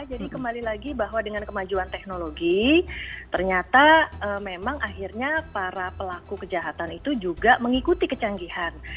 jadi kembali lagi bahwa dengan kemajuan teknologi ternyata memang akhirnya para pelaku kejahatan itu juga mengikuti kecanggihan